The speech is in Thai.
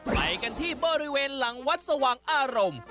ไปกันที่บริเวณหลังวัดสว่างอารมณ์